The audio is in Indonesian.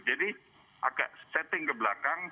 jadi agak setting ke belakang